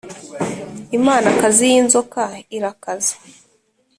imanakazi y’inzoka irakaze